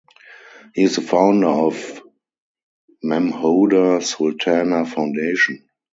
He is the founder of Memhooda Sultana Foundation.